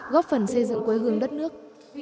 góp phần xây dựng quê hương đất nước